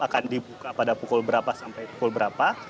akan dibuka pada pukul berapa sampai pukul berapa